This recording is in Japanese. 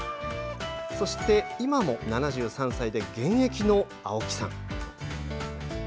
そして、今も７３歳で現役の青木さん。